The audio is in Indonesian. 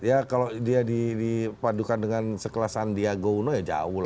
ya kalau dia dipadukan dengan sekelas sandiaga uno ya jauh lah